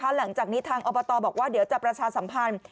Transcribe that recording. หลังจากนี้ทางอบตบอกว่าเดี๋ยวจะประชาสัมพันธ์